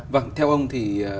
vâng theo ông thì